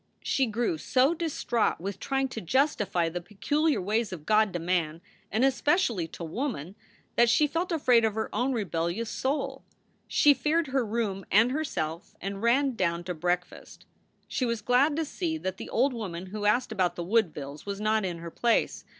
She grew so distraught with trying to justify the peculiar ways of God to man, and especially to woman, that she felt afraid of her own rebellious soul. She feared her room and her self, and ran down to breakfast. She was glad to see that the old woman who asked about the Woodvilles was not in her place.